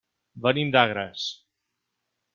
Venim d'Agres.